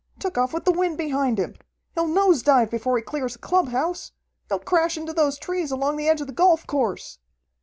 Took off with the wind behind him! He'll nose dive before he clears the clubhouse! He'll crash into those trees along the edge of the golf course!"